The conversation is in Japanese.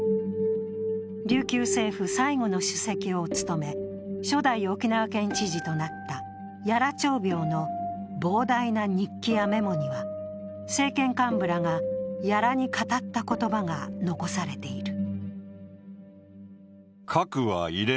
琉球政府最後の主席を務め初代沖縄県知事となった屋良朝苗の膨大な日記やメモには、政権幹部らが屋良に語った言葉が残されている。